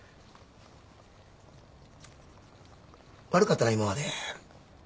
悪かったな今まで。